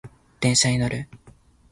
電車に乗る